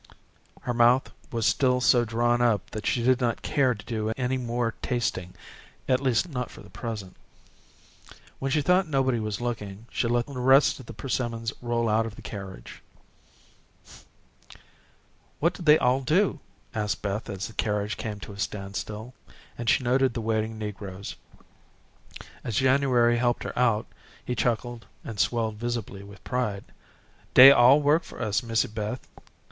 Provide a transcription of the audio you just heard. Her mouth was still so drawn up that she did not care to do any more tasting at least, not for the present. When she thought nobody was looking, she let the rest of the persimmons roll out of the carriage. "What do they all do?" asked Beth as the carriage came to a standstill, and she noted the waiting negroes. As January helped her out, he chuckled, and swelled visibly with pride. "Dey all work for us, Missy Beth.